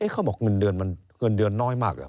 เขาบอกเงินเดือนมันเงินเดือนน้อยมาก